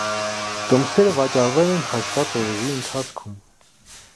Տոմսերը վաճառվել են հաշվված օրերի ընթացքում։